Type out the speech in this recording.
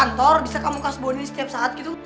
kantor bisa kamu kasbonin setiap saat gitu